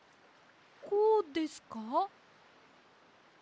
こうですか？